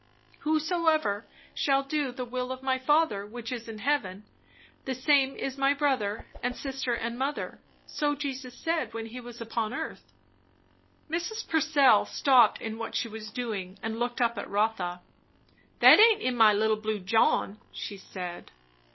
'Whosoever shall do the will of my Father which is in heaven, the same is my brother, and sister, and mother.' So Jesus said, when he was upon earth." Mrs. Purcell stopped in what she was doing and looked up at Rotha. "That aint in my 'little blue John,'" she said.